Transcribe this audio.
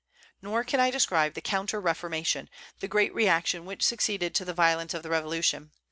Nor can I describe the counter reformation, the great reaction which succeeded to the violence of the revolution.